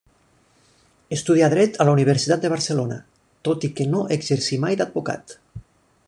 Estudià Dret a la Universitat de Barcelona, tot i que no exercí mai d'advocat.